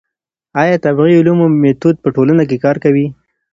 ايا د طبيعي علومو ميتود په ټولنه کي کار کوي؟